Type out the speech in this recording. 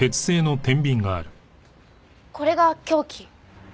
これが凶器？